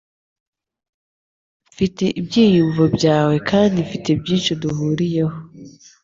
Mfite ibyiyumvo byawe kandi mfite byinshi duhuriyeho.